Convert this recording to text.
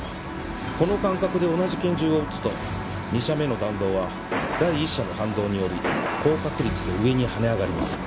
この間隔で同じ拳銃を撃つと２射目の弾道は第１射の反動により高確率で上に跳ね上がります。